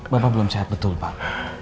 bapak belum sehat betul pak